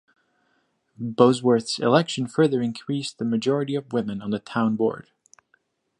Bosworth's election further increased the majority of women on the Town Board.